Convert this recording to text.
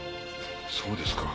そうですか。